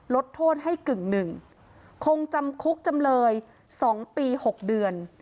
ลดโทษให้กึ่งหนึ่งคงจำคุกจำเลย๒ปี๖เดือน